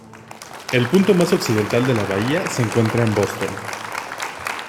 El punto más occidental de la bahía se encuentra en Boston.